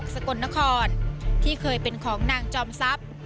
๕๖สกนที่เคยเป็นของนางจอมซับ